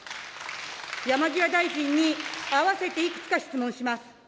山際大臣に併せていくつか質問します。